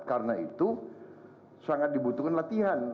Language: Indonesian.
karena itu sangat dibutuhkan latihan